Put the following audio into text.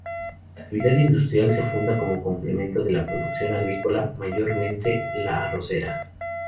La actividad industrial se funda como complemento de la producción agrícola, mayormente la arrocera.